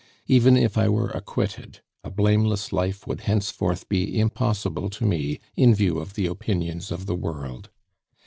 Even if I were acquitted, a blameless life would henceforth be impossible to me in view of the opinions of the world.